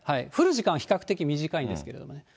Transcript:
降る時間は比較的短いんですけど。